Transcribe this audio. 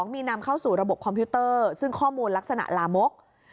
มีนำเข้าสู่ระบบคอมพิวเตอร์ซึ่งข้อมูลลักษณะลามก